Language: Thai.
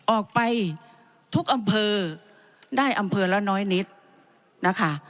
ออกไปทุกอำเภอได้อำเภอละน้อยนิดนะคะ